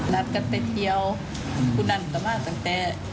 นัดกันไปเที่ยวคุณนั้นก็มาตั้งแต่